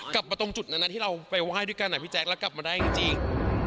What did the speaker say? กลับมาตรงจุดนั้นที่เราไปไหว้ด้วยกันพี่แจ๊คแล้วกลับมาได้จริง